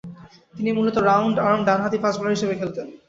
তিনি মূলতঃ round arm ডানহাতি ফাস্ট বোলার হিসেবে খেলতেন।